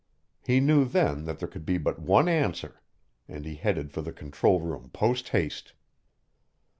He knew then that there could be but one answer, and he headed for the control room posthaste.